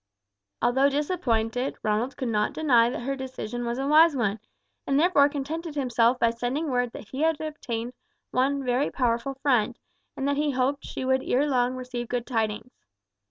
Although disappointed, Ronald could not deny that her decision was a wise one, and therefore contented himself by sending word that he had obtained one very powerful friend, and that he hoped that she would ere long receive good tidings.